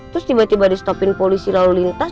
terus tiba tiba di stopin polisi lalu lintas